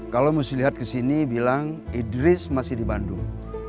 kalau muslihat kesini bilang idris masih di bandung